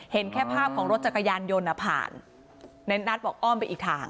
เห็นแค่ภาพของรถจักรยานยนต์อ่ะผ่านในนัทบอกอ้อมไปอีกทาง